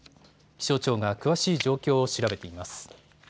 気象庁が詳しい状況を調べています。